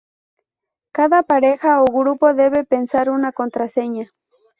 Cada pareja o grupo debe pensar una contraseña.